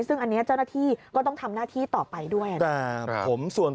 ซึ่งอันนี้เจ้าหน้าที่ก็ต้องทำหน้าที่ต่อไปด้วยนะครับ